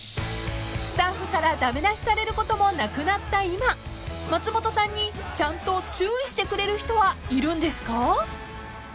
［スタッフからダメ出しされることもなくなった今松本さんにちゃんと注意してくれる人はいるんですか？］